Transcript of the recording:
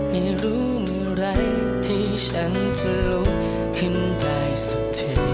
ไม่รู้เมื่อไหร่ที่ฉันจะลุกขึ้นได้สักที